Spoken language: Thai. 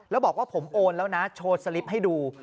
แล้วบอกว่าผมโอนแล้วนะโชว์สลิปให้ดู